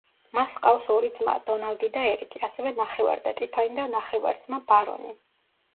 მას ჰყავს ორი ძმა, დონალდი და ერიკი, ასევე ნახევარდა ტიფანი და ნახევარძმა, ბარონი.